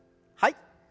はい。